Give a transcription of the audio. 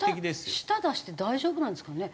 あれ舌舌出して大丈夫なんですかね？